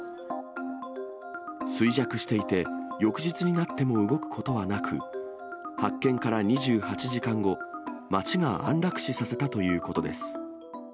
衰弱していて、翌日になっても動くことはなく、発見から２８時間後、町が安楽死させたということです。